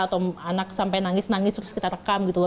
atau anak sampai nangis nangis terus kita rekam gitu loh